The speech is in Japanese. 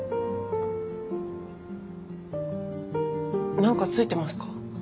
何かついてますか？